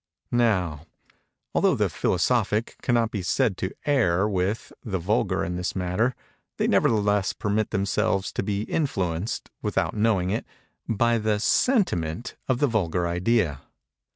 Now, although the philosophic cannot be said to err with the vulgar in this matter, they nevertheless permit themselves to be influenced, without knowing it, by the sentiment of the vulgar idea.